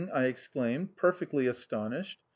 I exclaimed, perfectly astonished.